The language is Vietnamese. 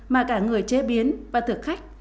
mà cả người chế biến và thực khách